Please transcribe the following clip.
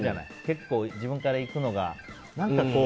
結構、自分からいくのが。